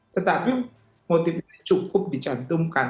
tetapi motifnya cukup dicantumkan